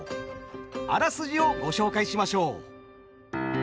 あらすじをご紹介しましょう。